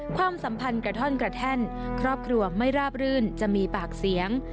ความสัมพันธ์กระท่อนกระแท่นครอบครัวไม่ราบรื่นจะมีปากเสียง